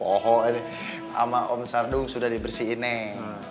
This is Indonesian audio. pokoknya sama om sardung sudah dibersihin neng